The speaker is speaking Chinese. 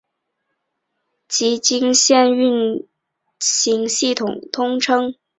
崎京线的运行系统通称。